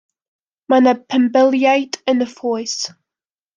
Mae 'na benbyliaid yn y ffoes.